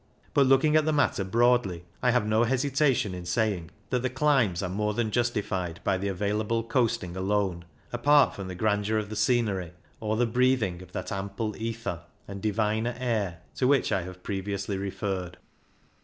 But, looking at the matter broadly, I have no hesitation in saying that the climbs are more than justi fied by the available coasting alone, apart from the grandeur of the scenery or the breathing of that "ampler ether" and " diviner air " to which I have previously referred.